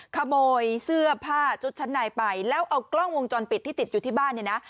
ขโมยเสื้อผ้าชุดชั้นในไปแล้วเอากล้องวงจรปิดที่ติดอยู่ที่บ้านเนี่ยนะ